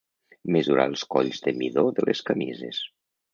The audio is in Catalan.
Mesurar els colls de midó de les camises.